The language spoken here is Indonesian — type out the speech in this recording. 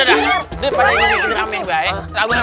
udah udah deh padanya